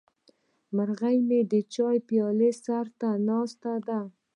مرغه مې د چای پیاله سر ته ناست دی.